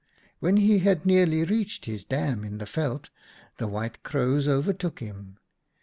When he had nearly reached his dam in the veld, the White Crows overtook him.